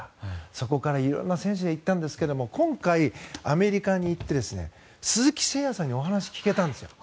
そこからいろんな選手が行ったんですが今回、アメリカに行って鈴木誠也さんにお話を聞けたんです。